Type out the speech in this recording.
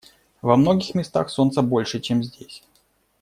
Во многих местах солнца больше, чем здесь.